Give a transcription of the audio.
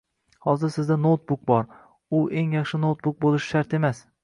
Hozir sizda noutbuk bor, u eng yaxshi noutbuk boʻlishi shart emas.